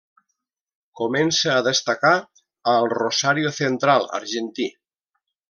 Comença a destacar al Rosario Central argentí.